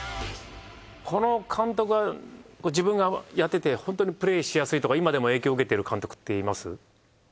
この監督は自分がやってて本当にプレーしやすいとか今でも影響受けてる監督っています？